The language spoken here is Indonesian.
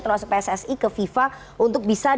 termasuk pssi ke fifa untuk bisa